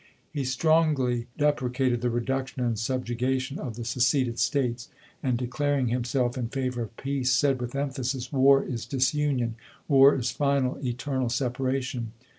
He strongly depre cated the "reduction" and "subjugation" of the seceded States; and, declaring himself in favor of peace, said, with emphasis: "War is disunion. Douglas, War is final, eternal separation."